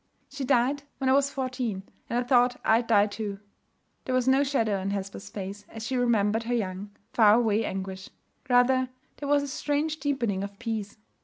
'She died when I was fourteen. And I thought I'd die too.' There was no shadow on Hesper's face as she remembered her young, far away anguish; rather, there was a strange deepening of peace.